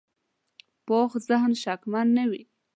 پوخ ذهن شکمن نه وي